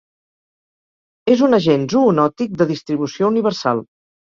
És un agent zoonòtic de distribució universal.